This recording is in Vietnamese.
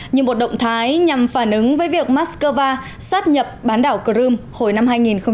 như một động thái nhằm phản ứng với việc moscow sát nhập bán đảo crimea hồi năm hai nghìn một mươi năm